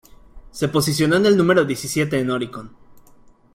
Se posicionó en el número diecisiete en Oricon.